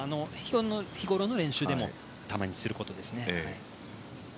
日ごろの練習でもたまにすることですね。